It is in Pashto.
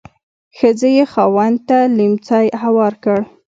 ښځې یې خاوند ته لیهمڅی هوار کړ.